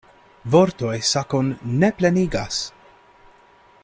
Vortoj sakon ne plenigas.